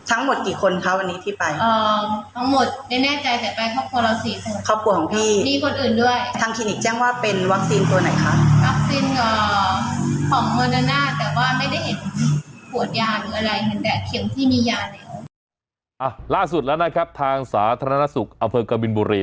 ล่าสุดแล้วนะครับทางสาธารณสุขอำเภอกบินบุรี